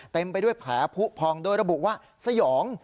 เต็มไปด้วยแผลผู้พองโดยระบุว่าสยอง